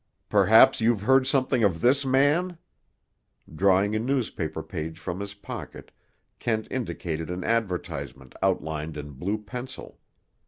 "Perhaps you've heard something of this man?" Drawing a newspaper page from his pocket, Kent indicated an advertisement outlined in blue pencil.